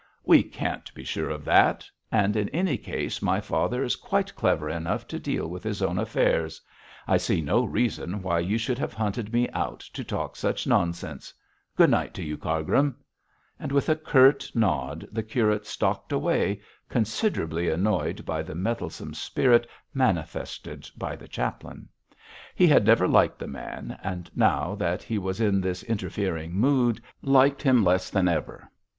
'We can't be sure of that; and in any case, my father is quite clever enough to deal with his own affairs. I see no reason why you should have hunted me out to talk such nonsense. Good night, Cargrim,' and with a curt nod the curate stalked away, considerably annoyed by the meddlesome spirit manifested by the chaplain. He had never liked the man, and, now that he was in this interfering mood, liked him less than ever.